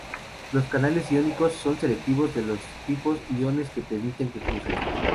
Los canales iónicos son selectivos de los tipos de iones que permiten que crucen.